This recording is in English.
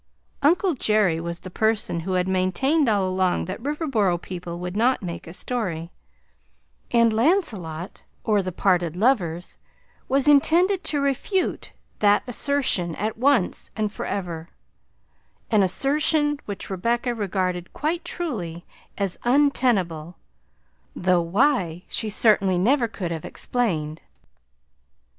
Uncle Jerry was the person who had maintained all along that Riverboro people would not make a story; and Lancelot or The Parted Lovers was intended to refute that assertion at once and forever; an assertion which Rebecca regarded (quite truly) as untenable, though why she certainly never could have explained.